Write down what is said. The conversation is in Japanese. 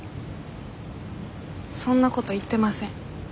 そんなこと言ってません。